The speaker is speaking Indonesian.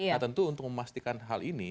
nah tentu untuk memastikan hal ini